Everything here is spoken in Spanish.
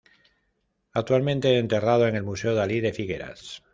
Actualmente enterrado en el Museo Dalí de Figueras.